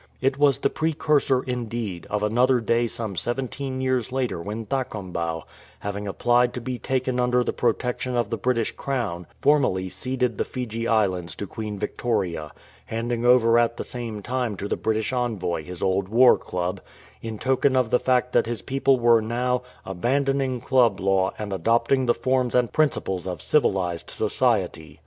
It was the precursor, indeed, of another day some seventeen years later when Thakombau, having applied to be taken under the protection of the British Crown, formally ceded the Fiji Islands to Queen Victoria, handing over at the same time to the British Envoy his old war club, in token of the fact that his people were now "abandoning club law and adopting the forms and principles of civilized society.""